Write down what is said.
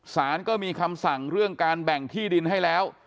สารก็มีคำสั่งเรื่องการแบ่งที่ดินให้แล้ว